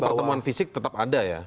tapi itu pertemuan fisik tetap ada ya